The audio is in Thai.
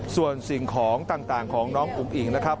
ส่วนสิ่งของต่างของน้องอุ๋งอิ่งนะครับ